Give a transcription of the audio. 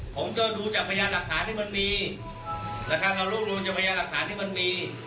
ผมก็ดูจากประยะห์หลักฐานที่มันมีหลักฐานเราลูกดูจากประยะห์หลักฐานที่มันมี